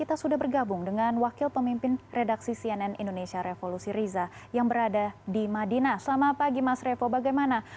alhamdulillah kondisi saya baik baik saja